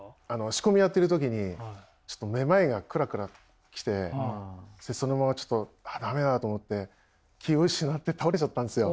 仕込みやってる時にちょっとめまいがクラクラきてそのままちょっと駄目だと思って気を失って倒れちゃったんですよ。